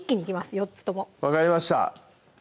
４つとも分かりました